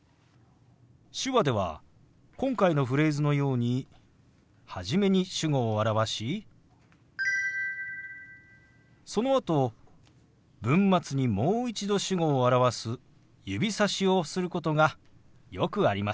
手話では今回のフレーズのように初めに主語を表しそのあと文末にもう一度主語を表す指さしをすることがよくあります。